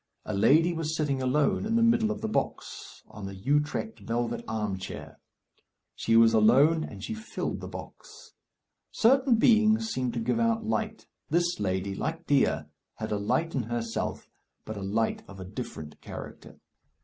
A lady was sitting alone in the middle of the box, on the Utrecht velvet arm chair. She was alone, and she filled the box. Certain beings seem to give out light. This lady, like Dea, had a light in herself, but a light of a different character.